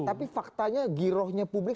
tapi faktanya girohnya publik